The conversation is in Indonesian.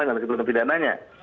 dengan ketentuan pidananya